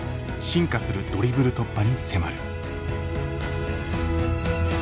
進化するドリブル突破に迫る。